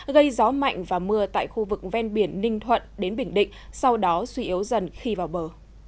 gây gió mạnh và mưa tại khu vực ven biển ninh thuận đến bình định sau đó suy yếu dần khi vào bờ